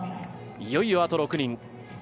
いよいよあと６人。